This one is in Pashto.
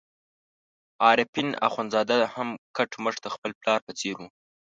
عارفین اخندزاده هم کټ مټ د خپل پلار په څېر وو.